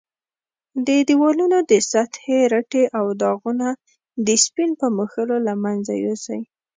د دېوالونو د سطحې رټې او داغونه د سپین په مښلو له منځه یوسئ.